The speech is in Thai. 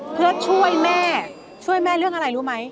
เพื่อช่วยแม่ช่วยแม่เรื่องอะไรรู้ไหม